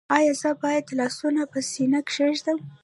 ایا زه باید لاسونه په سینه کیږدم؟